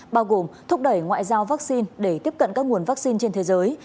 bao gồm thúc đẩy ngoại giao vaccine để tiếp cận các nguồn vaccine trên thế giới